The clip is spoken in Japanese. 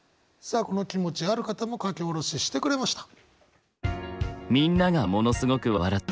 さあこの気持ちある方も書き下ろししてくれました。